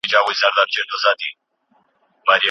ړوند سړی تر نورو بې ډاره دی او له ږیري سره اتڼ کوي.